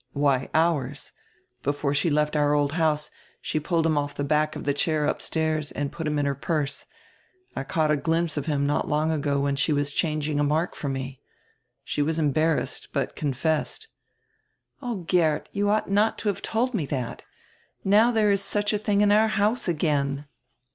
" "Why, ours. Before she left our old house she pulled him off die back of the chair upstairs and put him in her purse. I caught a glimpse of him not long ago when she was changing a mark for me. She was emharrassed, but confessed." "Oh, Geert, you ought not to have told me that. Now there is such a tiling in our house again."